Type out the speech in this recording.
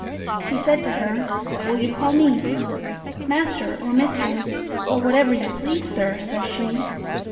He said to her: "What will you call me?" "Master or mister, or whatever you please, sir," says she.